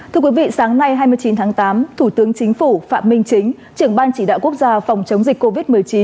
thưa quý vị sáng nay hai mươi chín tháng tám thủ tướng chính phủ phạm minh chính trưởng ban chỉ đạo quốc gia phòng chống dịch covid một mươi chín